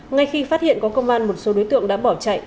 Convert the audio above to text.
ngay khi phát hiện có công an một số đối tượng đã bỏ chạy